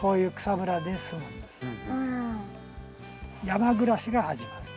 山暮らしが始まる。